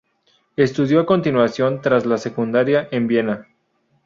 Estudió a continuación, tras la secundaria, en Viena.